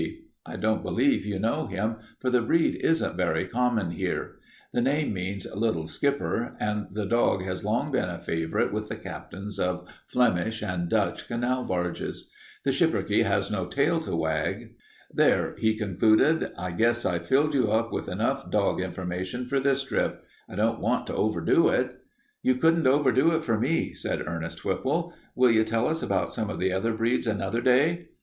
I don't believe you know him, for the breed isn't very common here. The name means 'little skipper,' and the dog has long been a favorite with the captains of Flemish and Dutch canal barges. The schipperke has no tail to wag. There," he concluded, "I guess I've filled you up with enough dog information for this trip. I don't want to overdo it." "You couldn't overdo it for me," said Ernest Whipple. "Will you tell us about some of the other breeds another day?"